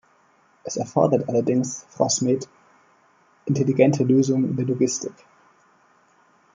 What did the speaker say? Es erfordert allerdings, Frau Smet, intelligente Lösungen der Logistik.